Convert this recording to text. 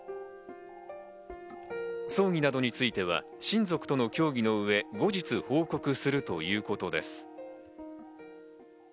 葬儀などについては親族との協議の上、後日報告するということです。